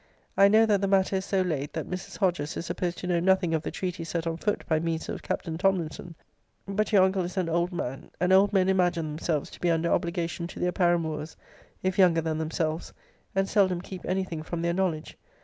] [I know that the matter is so laid,*] that Mrs. Hodges is supposed to know nothing of the treaty set on foot by means of Captain Tomlinson. But your uncle is an * See Letter XX. of this volume. But your uncle is an old man;* and old men imagine themselves to be under obligation to their paramours, if younger than themselves, and seldom keep any thing from their knowledge.